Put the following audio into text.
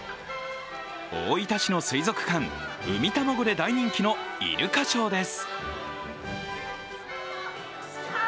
大分市の水族館うみたまごで大人気のイルカショーです。